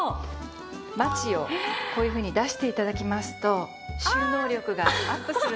マチをこういうふうに出して頂きますと収納力がアップするんです。